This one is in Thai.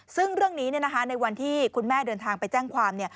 ซึ่งเรื่องนี้ในวันที่คุณแม่เดินทางไปแจ้งความ